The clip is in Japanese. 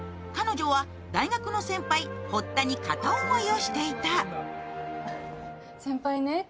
彼女は大学の先輩堀田に片思いをしていた先輩ね